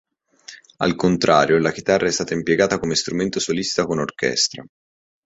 Al contrario, la chitarra è stata impiegata come strumento solista con orchestra.